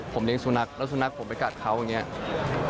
ผมเลี้ยสุนัขแล้วสุนัขผมไปกัดเขาอย่างนี้